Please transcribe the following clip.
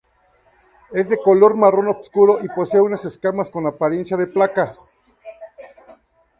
Es de color marrón oscuro y posee unas escamas con apariencia de placas.